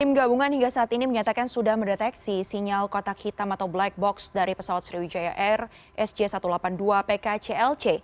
tim gabungan hingga saat ini menyatakan sudah mendeteksi sinyal kotak hitam atau black box dari pesawat sriwijaya air sj satu ratus delapan puluh dua pkclc